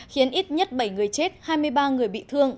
khiến ít nhất bảy người chết hai mươi ba người bị thương